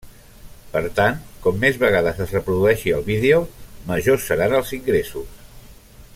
Per tant, com més vegades es reprodueixi el vídeo, majors seran els ingressos.